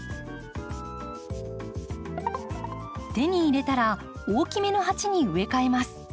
手に入れたら大きめの鉢に植え替えます。